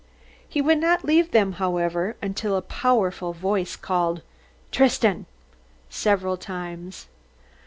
He would not leave them, however, until a powerful voice called "Tristan!" several times.